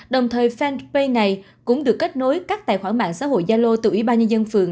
đồng thời fanpage này cũng được kết nối các tài khoản mạng xã hội gia lô từ ủy ban nhân dân phường